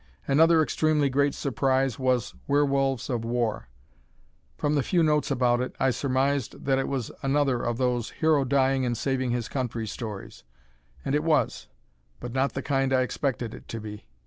Another extremely great surprise was "Werewolves of War." From the few notes about it I surmised that it was another one of those hero dying and saving his country stories; and it was but not the kind I expected it to be.